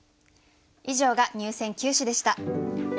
以上が入選九首でした。